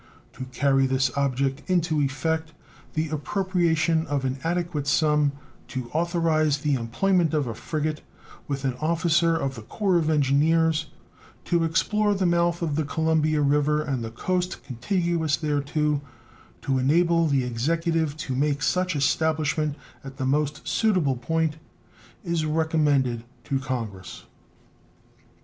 To carry this object into effect the appropriation of an adequate sum to authorize the employment of a frigate, with an officer of the Corps of Engineers, to explore the mouth of the Columbia River and the coast contiguous thereto, to enable the Executive to make such establishment at the most suitable point, is recommended to Congress.